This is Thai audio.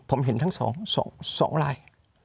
ผมเห็นทั้ง๒ลาย